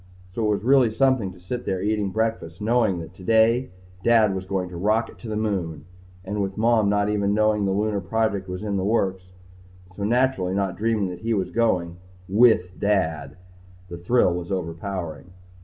So it was really something to sit there eating breakfast knowing that, today, Dad was going to rocket to the Moon. And with Mom not even knowing the Lunar project was in the works, so naturally not dreaming that he was going with Dad! The thrill was overpowering.